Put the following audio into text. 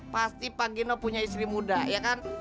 pasti pak gino punya istri muda ya kan